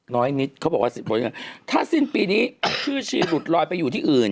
น้อยนิดเขาบอกว่าสิบคนถ้าสิ้นปีนี้ชื่อชีหลุดลอยไปอยู่ที่อื่น